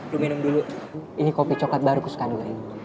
lo minum dulu ini kopi coklat baru kesukaan gue